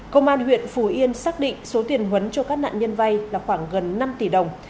công an huyện phù yên xác định số tiền huấn cho các nạn nhân vay là khoảng gần năm tỷ đồng